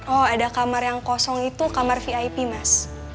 oh ada kamar yang kosong itu kamar vip mas